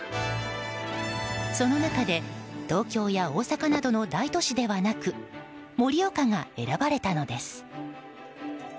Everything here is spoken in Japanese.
その中で東京や大阪などの大都市ではなく盛岡が選ばれたのです。